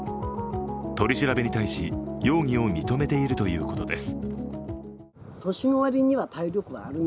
取り調べに対し容疑を認めているということです。